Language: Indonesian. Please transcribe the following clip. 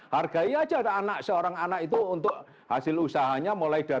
hargai aja seorang anak itu untuk hasil usahanya